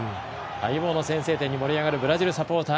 待望の先制点に盛り上がるブラジルサポーター。